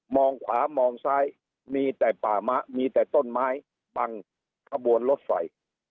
ขวามองซ้ายมีแต่ป่ามะมีแต่ต้นไม้บังขบวนรถไฟ